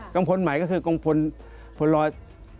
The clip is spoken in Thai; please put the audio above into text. กล่องพนธุ์ใหม่ก็คือกล่องพนธุ์ลอด๑๕